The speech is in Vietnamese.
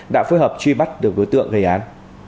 đã phối hợp truy bắt được đối tượng gây án